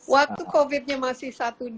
waktu covidnya masih satu dua